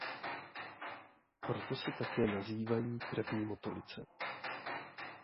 Proto se také nazývají „krevní motolice“.